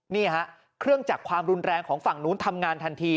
นี่ฮะเครื่องจักรความรุนแรงของฝั่งนู้นทำงานทันที